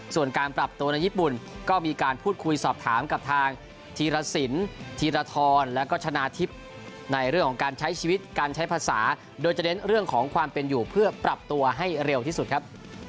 ส่วนการปรับตัวในญี่ปุ่นก็มีการพูดคุยสอบถามกับทางธีรสินธีรทรแล้วก็ชนะทิพย์ในเรื่องของการใช้ชีวิตการใช้ภาษาโดยจะเน้นเรื่องของความเป็นอยู่เพื่อปรับตัวให้เร็วที่สุดครับ